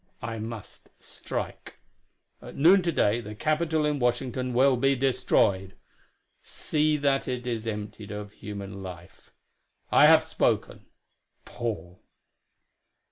I must strike. At noon to day the Capitol in Washington will be destroyed. See that it is emptied of human life. I have spoken. Paul."